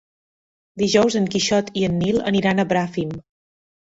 Dijous en Quixot i en Nil aniran a Bràfim.